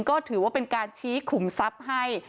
ก็ถือว่าเป็นการชี้ขุมทรัพย์ให้